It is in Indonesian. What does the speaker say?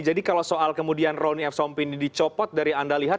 jadi kalau soal kemudian roni f sompi ini dicopot dari anda lihat